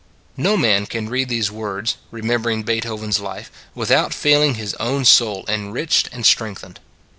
No man can read these words, remem bering Beethoven s life, without feeling his own soul enriched and strengthened.